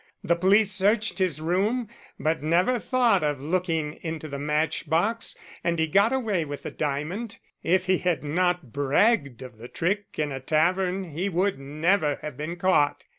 The police searched his room, but never thought of looking into the matchbox, and he got away with the diamond. If he had not bragged of the trick in a tavern he would never have been caught.